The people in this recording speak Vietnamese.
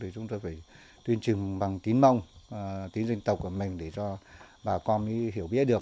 chúng tôi phải tuyên truyền bằng tín mong tín dân tộc của mình để cho bà con hiểu biết được